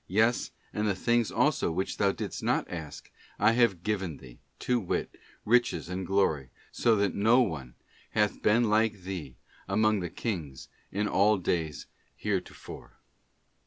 . yea, and the things also which thou didst not ask, I have » given thee, to wit, riches and glory, so that no one hath been like thee among the kings in all days heretofore.